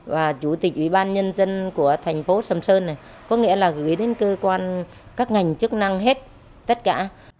và chủ tịch ủy ban nhân dân của thành phố sầm sơn này có nghĩa là gửi đến cơ quan các ngành chức năng hết tất cả